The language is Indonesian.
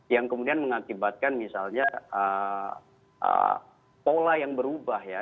yang kemudian mengakibatkan misalnya pola yang berubah ya